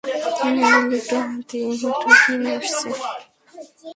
আরে, লোকটা হাতে ওটা কী নিয়ে আসছে?